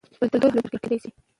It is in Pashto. کلتور هم پلورل کیدی شي.